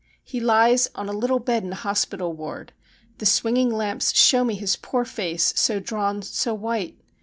He lies on a little bed in a hospital ward. The swinging lamps show me his poor face, so drawn, so white.